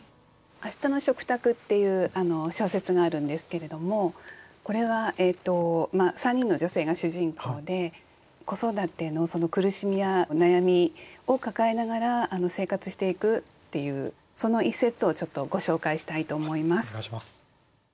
「明日の食卓」っていう小説があるんですけれどもこれは３人の女性が主人公で子育ての苦しみや悩みを抱えながら生活していくっていうその一節をちょっとご紹介したいと思います。